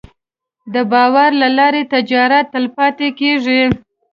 د باور له لارې تجارت تلپاتې کېږي.